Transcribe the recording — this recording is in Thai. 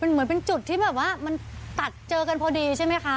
เหมือนเป็นจุดที่ตัดเจอกันพอดีใช่ไหมคะ